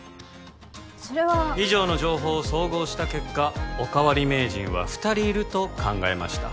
それは以上の情報を総合した結果おかわり名人は二人いると考えました